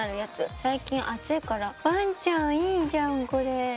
最近暑いからワンちゃんいいじゃんこれ。